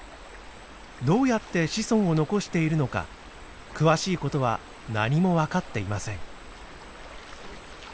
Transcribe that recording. どうやって子孫を残しているのか詳しい事は何も分かっていません。